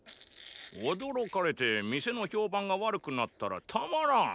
驚かれて店の評判が悪くなったらたまらン。